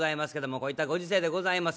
こういったご時世でございます。